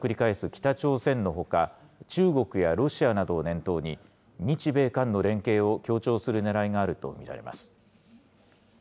北朝鮮のほか、中国やロシアなどを念頭に、日米韓の連携を強調するねらいがあると見られます。